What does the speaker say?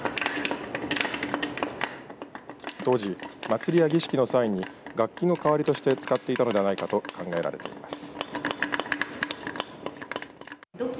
当時、祭りや儀式の際に楽器の代わりとして使っていたのではないかと考えられています。